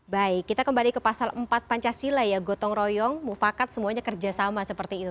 baik kita kembali ke pasal empat pancasila ya gotong royong mufakat semuanya kerjasama seperti itu